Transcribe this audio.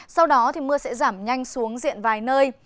sau đó mưa sẽ giảm nhanh xuống diện vài nơi